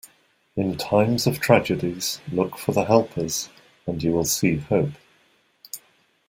In times of tragedies, look for the helpers and you will see hope.